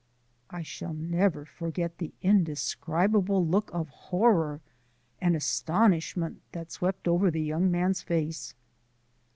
I shall never forget the indescribable look of horror and astonishment that swept over the young man's face.